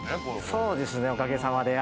そうですねおかげさまで。